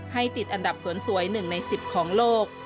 ติดอันดับสวนสวย๑ใน๑๐ของโลก